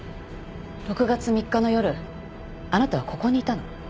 ６月３日の夜あなたはここにいたの？